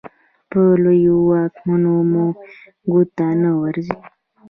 په لویو واکمنو مو ګوته نه ورځي.